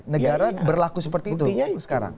negara berlaku seperti itu sekarang